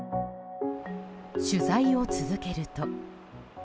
取材を続けると。